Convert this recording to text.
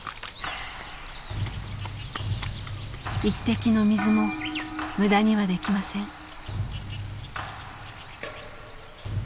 一滴の水も無駄にはできません。